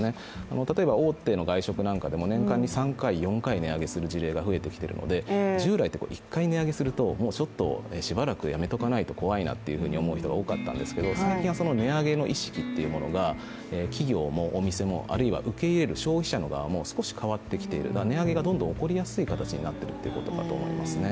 例えば大手の外食なんかでも、年間で３４回、値上げする事例が続いているので従来って１回値上げするともうちょっとしばらくやめておかないと怖いなっていうふうに思う人が多かったんですけど、最近は値上げの意識というものが企業もお店もあるいは受け入れる消費者の側も少し変わってきている、値上げがどんどん起こりやすい形になってきているということだと思いますね。